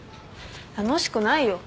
楽しくないよ。